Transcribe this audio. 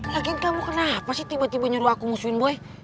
hakim kamu kenapa sih tiba tiba nyuruh aku ngusuin boy